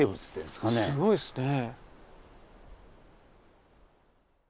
すごいですねぇ。